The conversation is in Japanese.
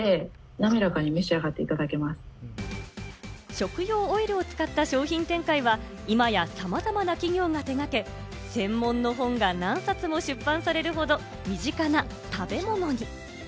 食用オイルを使った商品展開は、今やさまざまな企業が手がけ、専門の本が何冊も出版されるほど身近な食べ物に。